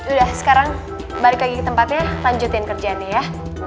udah sekarang balik lagi ke tempatnya lanjutin kerjaannya ya